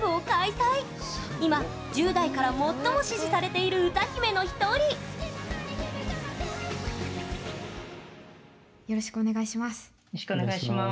今１０代から最も支持されている歌姫の一人よろしくお願いします。